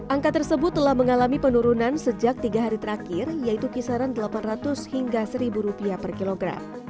angka tersebut telah mengalami penurunan sejak tiga hari terakhir yaitu kisaran rp delapan ratus hingga rp satu per kilogram